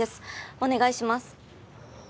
お願いします